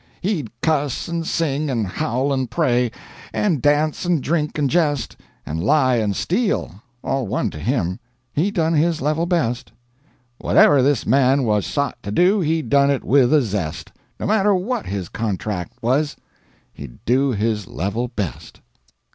He'd cuss and sing and howl and pray, And dance and drink and jest, And lie and steal all one to him He done his level best. Whate'er this man was sot to do, He done it with a zest; No matter WHAT his contract was, HE'D DO HIS LEVEL BEST.